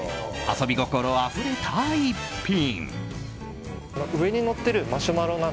遊び心あふれたひと品。